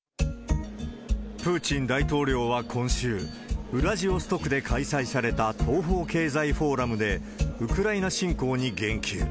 プーチン大統領は今週、ウラジオストクで開催された東方経済フォーラムで、ウクライナ侵攻に言及。